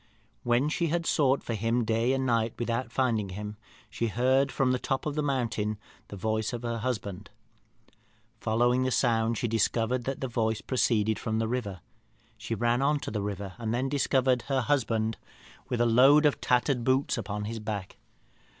"When she had sought for him day and night without finding him, she heard from the top of a mountain the voice of her husband. Following the sound, she discovered that the voice proceeded from the river. She ran to the river, and then discovered her husband with a load of tattered boots upon his back.